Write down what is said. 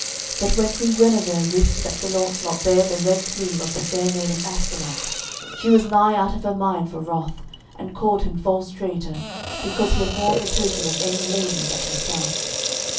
But when Queen Guenever wist that Sir Launcelot bare the red sleeve of the Fair Maid of Astolat, she was nigh out of her mind for wrath, and called him false traitor, because he had worn the token of any lady but herself.